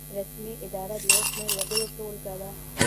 رسمي اداره د یو شمیر وګړو ټولګه ده.